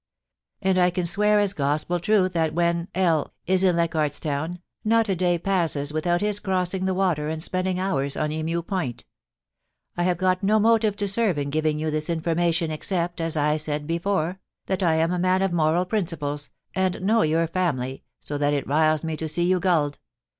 And I can swear as Gospel truth that when L is in Leichardt's Town, not a day passes without his crossing the water and spending hours on Emu Point I have got no motive to serve in giving you this information except, as I said before, that I am a man of moral principles, and know your family, so that it riles me to see you gulled.